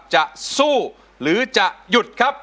จะสู้หรือจะหยุดครับ